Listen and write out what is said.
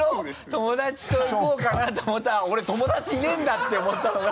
友達と行こうかなって思ったら「あっ俺友達いねぇんだ」って思ったのが